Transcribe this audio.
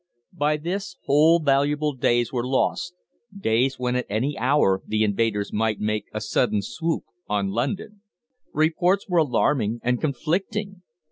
By this, whole valuable days were lost days when at any hour the invaders might make a sudden swoop on London. Reports were alarming and conflicting.